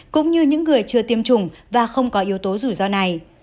cũng như những người chưa tiêm chủng và không có yếu tố rủi ro này